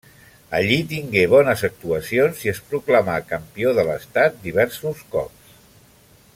Allí tingué bones actuacions i es proclamà campió de l'estat diversos cops.